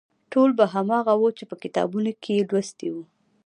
ټول به هماغه و چې په کتابونو کې یې لوستي وو.